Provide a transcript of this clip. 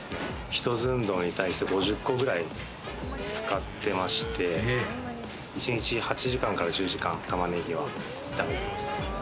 １寸胴に対して５０個くらい使ってまして、１日８時間から１０時間玉ねぎを炒めてます。